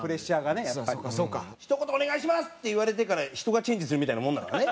「ひと言お願いします！」って言われてから人がチェンジするみたいなもんだからね。